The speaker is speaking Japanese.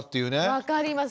分かります。